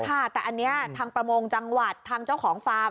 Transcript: ค่ะแต่อันนี้ทางประมงจังหวัดทางเจ้าของฟาร์ม